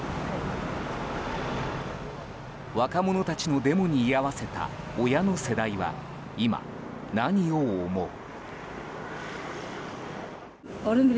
若者たちのデモに居合わせた親の世代は今、何を思う。